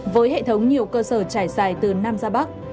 với hệ thống nhiều cơ sở trải dài từ nam ra bắc